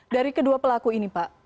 dari kedua pelaku ini pak